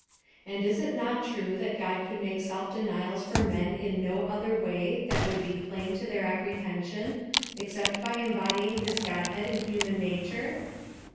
{And is it not true thai God could make self denials for men in no other loay that would be plain to their apprehensiou, ex cept by e7nbodying his Godhead in human nature!)